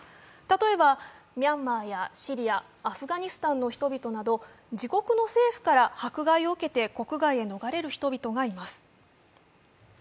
例えばミャンマーやシリア、アフガニスタンの人々など自国の政府から迫害を受けて国外へ逃れる人々がいます。